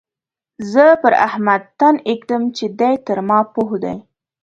زه پر احمد تن اېږدم چې دی تر ما پوه دی.